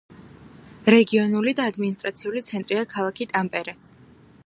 რეგიონული და ადმინისტრაციული ცენტრია ქალაქი ტამპერე.